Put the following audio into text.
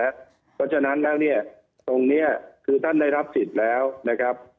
เพราะฉะนั้นแล้วเนี่ยตรงนี้คือท่านได้รับสิทธิ์แล้วนะครับ